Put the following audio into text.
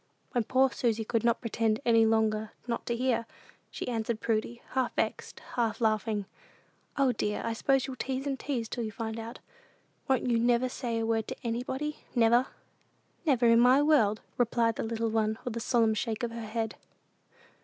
When poor Susy could not pretend any longer not to hear, she answered Prudy, half vexed, half laughing, "O, dear, I s'pose you'll tease and tease till you find out. Won't you never say a word to anybody, never?" "Never in my world," replied the little one, with a solemn shake of her head.